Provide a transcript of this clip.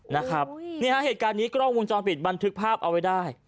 นะครับนี่ฮะเหตุการณ์นี้กล้องวงจรปิดบันทึกภาพเอาไว้ได้